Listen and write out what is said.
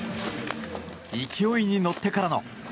勢いに乗ってからの。